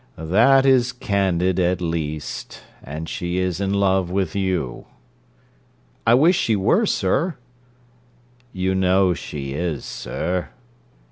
'That is candid, at least; and she is in love with you.' 'I wish she were, sir.' 'You know she is, sir.'